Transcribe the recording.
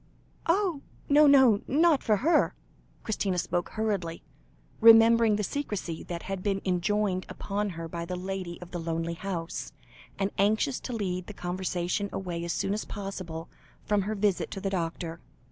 "Oh! no, no, not for her." Christina spoke hurriedly, remembering the secrecy that had been enjoined upon her by the lady of the lonely house, and anxious to lead the conversation away as soon as possible from her visit to the doctor.